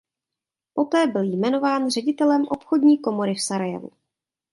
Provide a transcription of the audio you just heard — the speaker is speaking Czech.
Poté byl jmenován ředitelem Obchodní komory v Sarajevu.